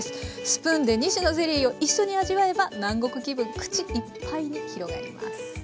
スプーンで２種のゼリーを一緒に味わえば南国気分口いっぱいに広がります。